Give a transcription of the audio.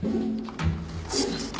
すいません。